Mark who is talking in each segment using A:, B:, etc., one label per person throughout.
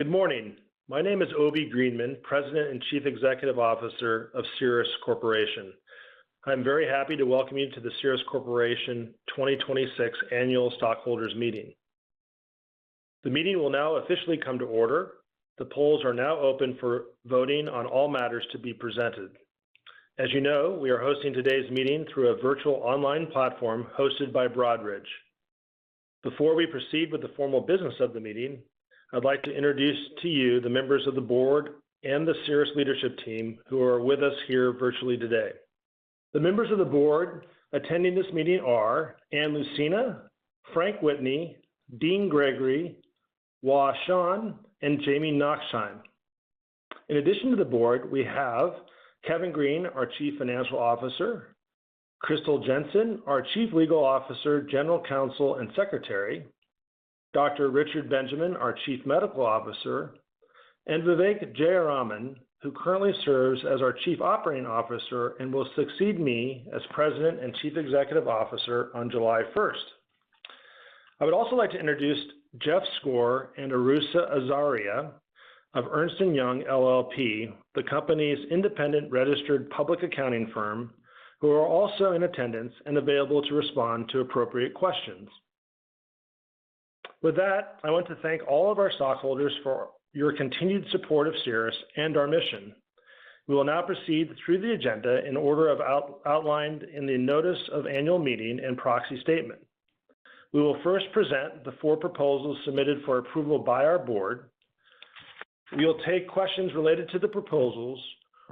A: Good morning. My name is Obi Greenman, President and Chief Executive Officer of Cerus Corporation. I'm very happy to welcome you to the Cerus Corporation 2026 Annual Stockholders Meeting. The meeting will now officially come to order. The polls are now open for voting on all matters to be presented. As you know, we are hosting today's meeting through a virtual online platform hosted by Broadridge. Before we proceed with the formal business of the meeting, I'd like to introduce to you the members of the board and the Cerus leadership team who are with us here virtually today. The members of the board attending this meeting are Ann Lucena, Frank Witney, Dean A. Gregory, Hua Shan, and Jami Nachtsheim. In addition to the board, we have Kevin Green, our Chief Financial Officer, Chrystal Jensen, our Chief Legal Officer, General Counsel, and Secretary, Dr. Richard Benjamin, our Chief Medical Officer, and Vivek Jayaraman, who currently serves as our Chief Operating Officer and will succeed me as President and Chief Executive Officer on July 1st. I would also like to introduce Jeff Skaar and Aussa Azaria of Ernst & Young LLP, the company's independent registered public accounting firm, who are also in attendance and available to respond to appropriate questions. With that, I want to thank all of our stockholders for your continued support of Cerus and our mission. We will now proceed through the agenda in order as outlined in the notice of annual meeting and proxy statement. We will first present the four proposals submitted for approval by our board. We will take questions related to the proposals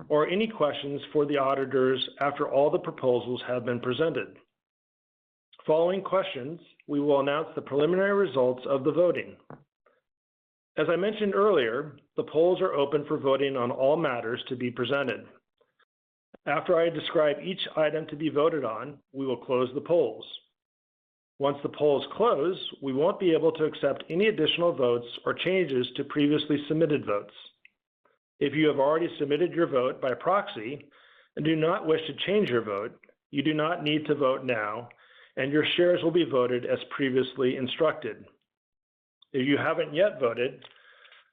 A: or any questions for the auditors after all the proposals have been presented. Following questions, we will announce the preliminary results of the voting. As I mentioned earlier, the polls are open for voting on all matters to be presented. After I describe each item to be voted on, we will close the polls. Once the polls close, we won't be able to accept any additional votes or changes to previously submitted votes. If you have already submitted your vote by proxy and do not wish to change your vote, you do not need to vote now, and your shares will be voted as previously instructed. If you haven't yet voted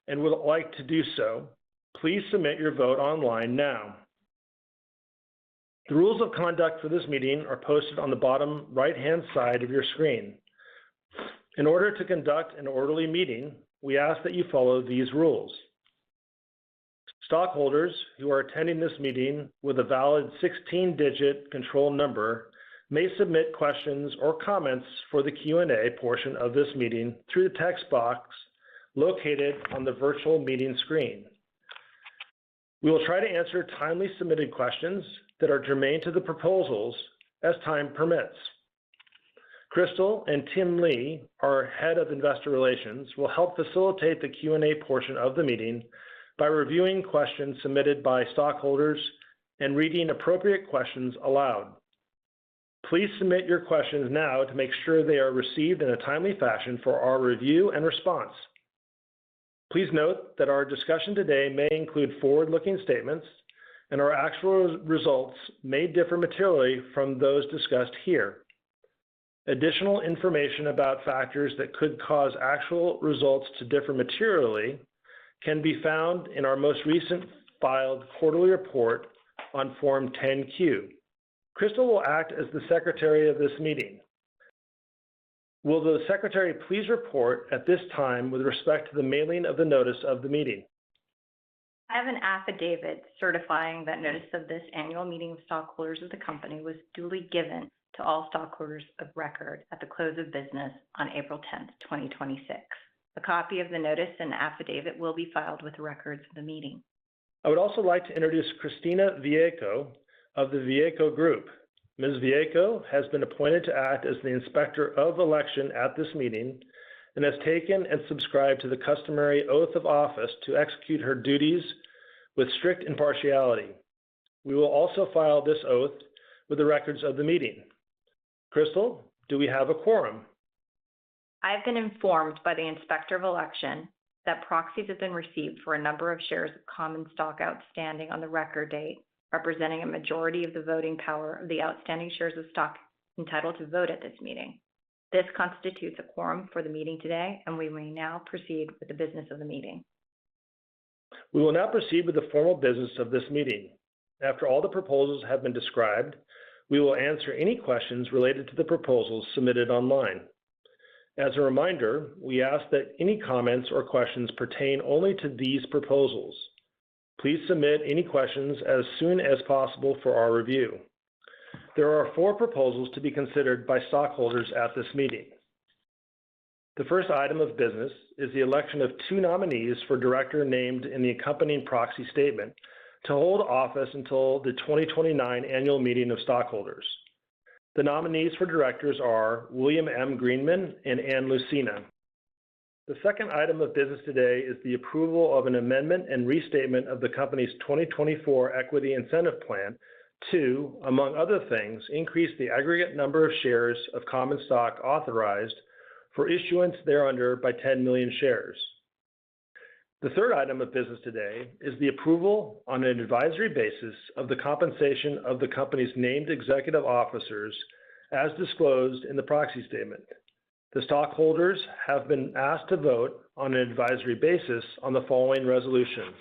A: and would like to do so, please submit your vote online now. The rules of conduct for this meeting are posted on the bottom right-hand side of your screen. In order to conduct an orderly meeting, we ask that you follow these rules. Stockholders who are attending this meeting with a valid 16-digit control number may submit questions or comments for the Q&A portion of this meeting through the text box located on the virtual meeting screen. We will try to answer timely submitted questions that are germane to the proposals as time permits. Chrystal and Tim Lee, our Head of Investor Relations, will help facilitate the Q&A portion of the meeting by reviewing questions submitted by stockholders and reading appropriate questions aloud. Please submit your questions now to make sure they are received in a timely fashion for our review and response. Please note that our discussion today may include forward-looking statements and our actual results may differ materially from those discussed here. Additional information about factors that could cause actual results to differ materially can be found in our most recent filed quarterly report on Form 10-Q. Chrystal will act as the Secretary of this meeting. Will the Secretary please report at this time with respect to the mailing of the notice of the meeting?
B: I have an affidavit certifying that notice of this annual meeting of stockholders of the company was duly given to all stockholders of record at the close of business on April 10th, 2026. A copy of the notice and affidavit will be filed with the records of the meeting.
A: I would also like to introduce Kristina Veaco of the Veaco Group. Ms. Veaco has been appointed to act as the Inspector of Election at this meeting and has taken and subscribed to the customary oath of office to execute her duties with strict impartiality. We will also file this oath with the records of the meeting. Chrystal, do we have a quorum?
B: I have been informed by the Inspector of Election that proxies have been received for a number of shares of common stock outstanding on the record date, representing a majority of the voting power of the outstanding shares of stock entitled to vote at this meeting. This constitutes a quorum for the meeting today, and we may now proceed with the business of the meeting.
A: We will now proceed with the formal business of this meeting. After all the proposals have been described, we will answer any questions related to the proposals submitted online. As a reminder, we ask that any comments or questions pertain only to these proposals. Please submit any questions as soon as possible for our review. There are four proposals to be considered by stockholders at this meeting. The first item of business is the election of two nominees for director named in the accompanying proxy statement to hold office until the 2029 annual meeting of stockholders. The nominees for directors are William M. Greenman and Ann Lucena. The second item of business today is the approval of an amendment and restatement of the company's 2024 Equity Incentive Plan to, among other things, increase the aggregate number of shares of common stock authorized for issuance thereunder by 10 million shares. The third item of business today is the approval on an advisory basis of the compensation of the company's named executive officers as disclosed in the proxy statement. The stockholders have been asked to vote on an advisory basis on the following resolution: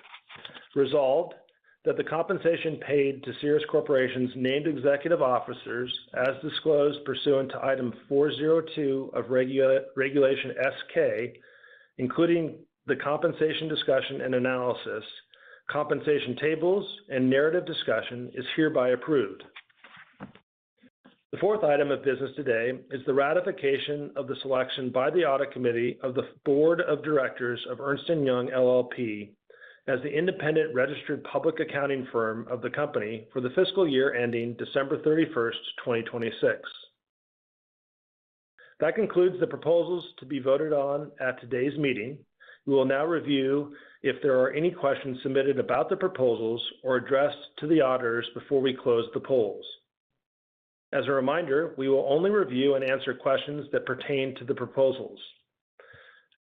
A: Resolved that the compensation paid to Cerus Corporation's named executive officers as disclosed pursuant to Item 402 of Regulation S-K, including the compensation discussion and analysis, compensation tables, and narrative discussion, is hereby approved. The fourth item of business today is the ratification of the selection by the Audit Committee of the Board of Directors of Ernst & Young LLP as the independent registered public accounting firm of the company for the fiscal year ending December 31st, 2026. That concludes the proposals to be voted on at today's meeting. We will now review if there are any questions submitted about the proposals or addressed to the auditors before we close the polls. As a reminder, we will only review and answer questions that pertain to the proposals.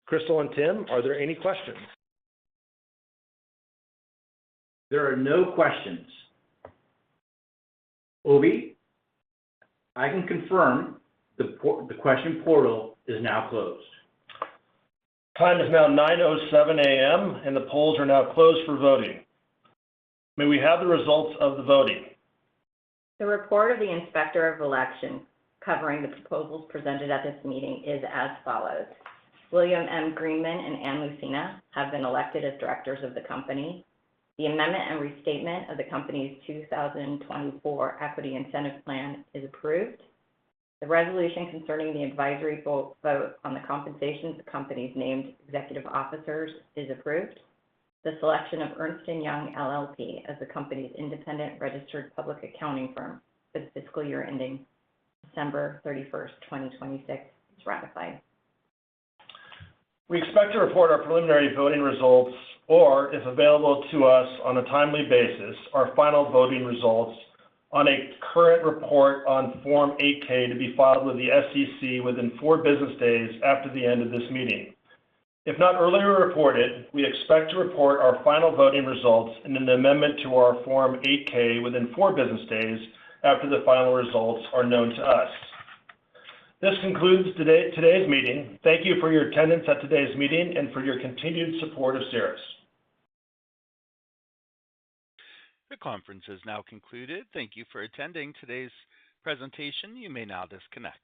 A: Chrystal and Tim, are there any questions?
C: There are no questions.
A: OB?
C: I can confirm the question portal is now closed.
A: Time is now 9:07 A.M., and the polls are now closed for voting. May we have the results of the voting?
B: The report of the Inspector of Election covering the proposals presented at this meeting is as follows. William M. Greenman and Ann Lucena have been been elected as directors of the company. The amendment and restatement of the company's 2024 Equity Incentive Plan is approved. The resolution concerning the advisory vote on the compensation of the company's named executive officers is approved. The selection of Ernst & Young LLP as the company's independent registered public accounting firm for the fiscal year ending December 31st, 2026 is ratified.
A: We expect to report our preliminary voting results, or if available to us on a timely basis, our final voting results on a current report on Form 8-K to be filed with the SEC within four business days after the end of this meeting. If not earlier reported, we expect to report our final voting results in an amendment to our Form 8-K within four business days after the final results are known to us. This concludes today's meeting. Thank you for your attendance at today's meeting and for your continued support of Cerus.
D: The conference is now concluded. Thank you for attending today's presentation. You may now disconnect.